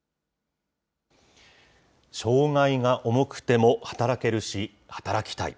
障害が重くても働けるし、働きたい。